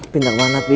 pindah kemana twi